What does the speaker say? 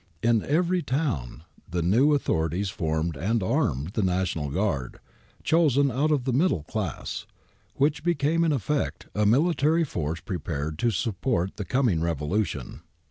In every town the new au thorities formed and armed the National Guard, chosen out of the middle class, which became in effect a military force prepared to support the coming revolution.